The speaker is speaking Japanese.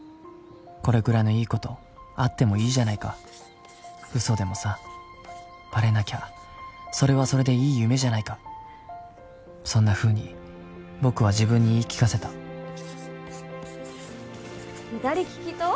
これくらいのいいことあってもいいじゃないか嘘でもさバレなきゃそれはそれでいい夢じゃないかそんなふうに僕は自分に言い聞かせた左利きと？